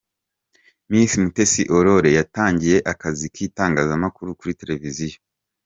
Miss Mutesi Aurore yatangiye akazi k'itangazamakuru kuri Televiziyo.